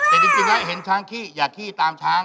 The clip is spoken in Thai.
แต่จริงแล้วเห็นช้างขี้อย่าขี้ตามช้าง